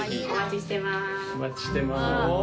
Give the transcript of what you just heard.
お待ちしてます。